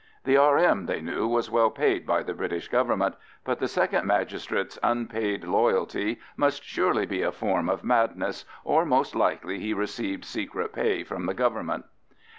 The R.M., they knew, was well paid by the British Government, but the second magistrate's unpaid loyalty must surely be a form of madness, or most likely he received secret pay from the Government.